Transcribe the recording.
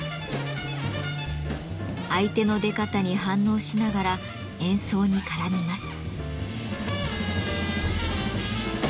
相手の出方に反応しながら演奏に絡みます。